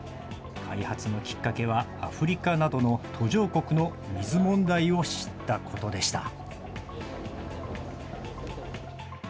開発のきっかけはアフリカなどの途上国の水問題を知ったことでした。